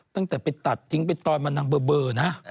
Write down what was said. ตั้งแต่ไปตัดจิ๊งไปตอยมานางเบอ๊วเบอ๊วนะ